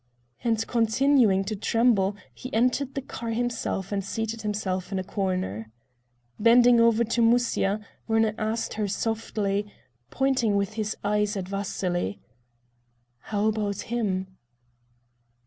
And continuing to tremble he entered the car himself and seated himself in a corner. Bending over to Musya, Werner asked her softly, pointing with his eyes at Vasily: "How about him?"